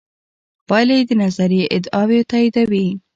پایلې د نظریې ادعاوې تاییدوي.